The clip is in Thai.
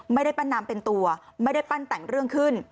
ไม่ได้ปั้นน้ำเป็นตัวไม่ได้ปั้นแต่งเรื่องขึ้น